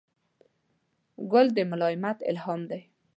ګل د ملایمت الهام دی.